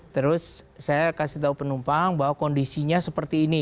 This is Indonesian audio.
terus saya kasih tahu penumpang bahwa kondisinya seperti ini